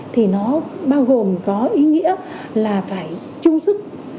thì nó bao gồm có ý nghĩa là phải chung sức